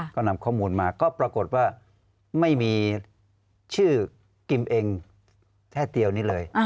ก็นำข้อมูลมาก็ปรากฏว่าไม่มีชื่อกิมเองแค่เตียวนี้เลย